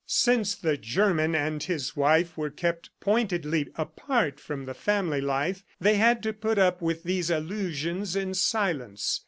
Since the German and his wife were kept pointedly apart from the family life, they had to put up with these allusions in silence.